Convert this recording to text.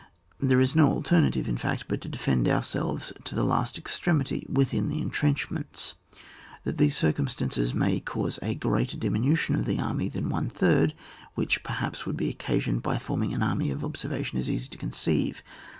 There is no alternative, in fact, but to defend ourselves to the last extre mity within the entrenchments. That these circumstances may cause a greater diminution of the army than one third which, perhaps, would be occasioned by forming an army of observation, is easy to conceive.